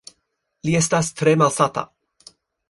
Li estas tre malsata.